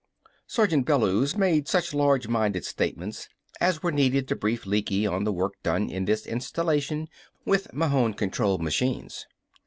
Sergeant Bellews made such large minded statements as were needed to brief Lecky on the work done in this installation with Mahon controlled machines.